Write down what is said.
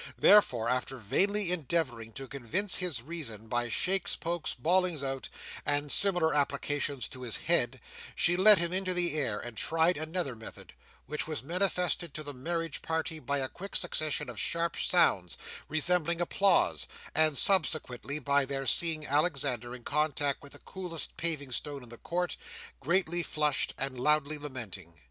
Therefore, after vainly endeavouring to convince his reason by shakes, pokes, bawlings out, and similar applications to his head, she led him into the air, and tried another method; which was manifested to the marriage party by a quick succession of sharp sounds, resembling applause, and subsequently, by their seeing Alexander in contact with the coolest paving stone in the court, greatly flushed, and loudly lamenting.